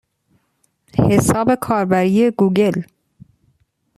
حساب کاربری گوگل